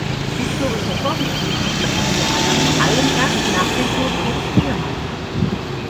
Historisch hervorgetreten ist Maria Anna vor allem erst nach dem Tode ihres Ehemanns.